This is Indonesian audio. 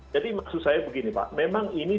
jadi maksud saya begini pak memang ini